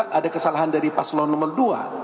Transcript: tidak ada kesalahan dari pasel nomor dua